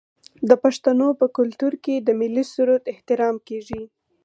د پښتنو په کلتور کې د ملي سرود احترام کیږي.